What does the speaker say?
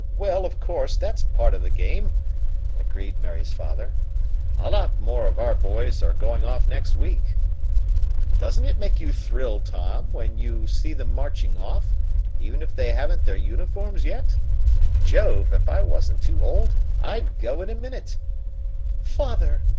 Well, of course, that's part of the game," agreed Mary's father. "A lot more of our boys are going off next week. Doesn't it make you thrill, Tom, when you see them marching off, even if they haven't their uniforms yet? Jove, if I wasn't too old, I'd go in a minute!" "Father!"